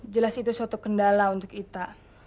jelas itu suatu kendala untuk kita